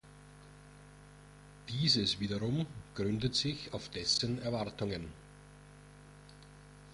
Dieses wiederum gründet sich auf dessen Erwartungen.